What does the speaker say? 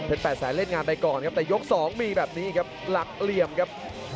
๘แสนเล่นงานไปก่อนครับแต่ยก๒มีแบบนี้ครับหลักเหลี่ยมครับ